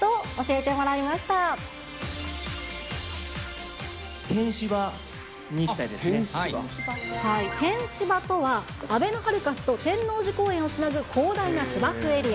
てんしばとは、あべのハルカスと天王寺公園をつなぐ広大な芝生エリア。